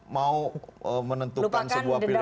mau menentukan sebuah pilihan